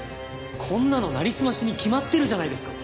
こんなのなりすましに決まってるじゃないですか！